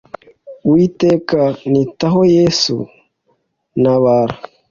uwiteka nitaho yesu nabara